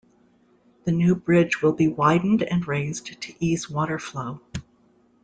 The new bridge will be widened and raised to ease water flow.